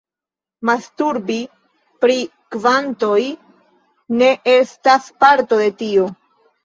Masturbi pri kvantoj ne estas parto de tio.